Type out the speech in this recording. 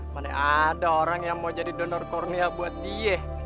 mana ada orang yang mau jadi donor kurnia buat dia